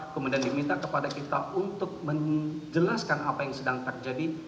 kemudian diminta kepada kita untuk menjelaskan apa yang sedang terjadi